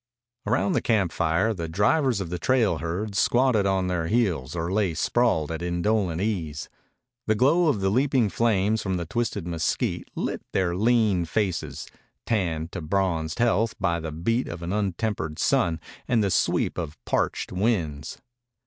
Around the camp fire the drivers of the trail herd squatted on their heels or lay sprawled at indolent ease. The glow of the leaping flames from the twisted mesquite lit their lean faces, tanned to bronzed health by the beat of an untempered sun and the sweep of parched winds.